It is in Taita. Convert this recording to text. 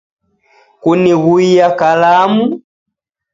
kunighuiya kalamu?